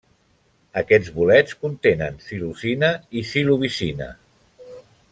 Aquests bolets contenen psilocina i psilocibina.